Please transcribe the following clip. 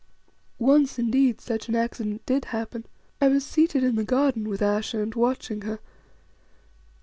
Once indeed such an accident did happen. I was seated in the garden with Ayesha and watching her.